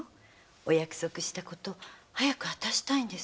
お約束したこと早く果たしたいんです。